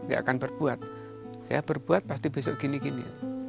gak akan berbuat saya berbuat pasti besok gini gini